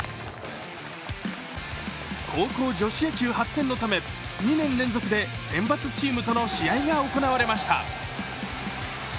高校女子野球発展のため２年連続で選抜チームとの試合が行われました。